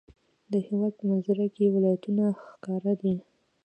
د هېواد په منظره کې ولایتونه ښکاره دي.